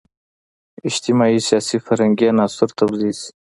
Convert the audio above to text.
اجتماعي، سیاسي، فرهنګي عناصر توضیح شي.